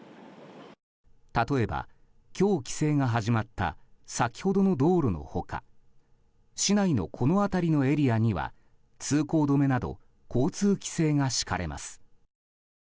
例えば、今日規制が始まった先ほどの道路の他市内の、この辺りのエリアには通行止めなど交通規制が敷かれます。